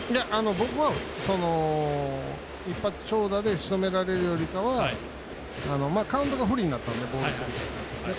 僕は一発長打でしとめられるよりかはカウントが不利になったのでボールスリーから。